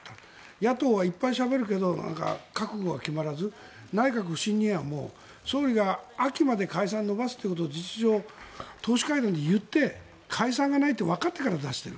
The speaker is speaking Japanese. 野党はいっぱいしゃべるけど覚悟が決まらず、内閣不信任案も総理が秋まで解散延ばすことを事実上党首会談で言って解散がないことがわかってから出している。